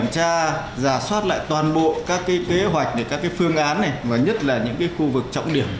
tra giả soát lại toàn bộ các kế hoạch các phương án và nhất là những khu vực trọng điểm